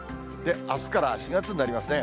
あすから４月になりますね。